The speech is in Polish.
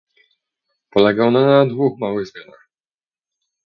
Polega ona na dwóch małych zmianach